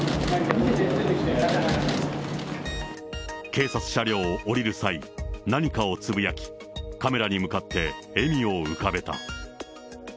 警察車両を降りる際、何かをつぶやき、カメラに向かって笑みを浮かべた。